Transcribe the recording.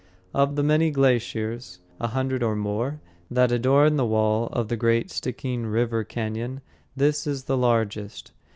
Of the many glaciers, a hundred or more, that adorn the walls of the great Stickeen River Cañon, this is the largest.